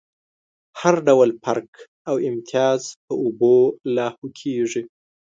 هر ډول فرق او امتياز په اوبو لاهو کېږي.